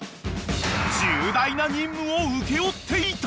［重大な任務を請け負っていた］